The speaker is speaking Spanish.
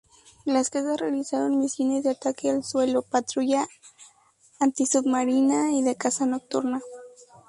Los cazas realizaron misiones de ataque al suelo, patrulla antisubmarina y de caza nocturna.